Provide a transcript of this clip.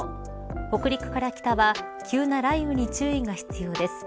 北陸から北は急な雷雨に注意が必要です。